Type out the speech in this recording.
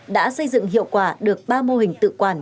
đã xây dựng hiệu quả được ba mô hình tự quản